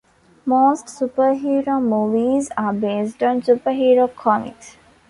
Most superhero movies are based on superhero comics.